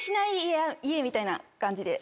みたいな感じで。